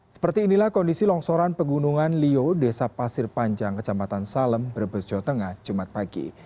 seperti inilah kondisi longsoran pegunungan lio desa pasir panjang kecamatan salem brebes jawa tengah jumat pagi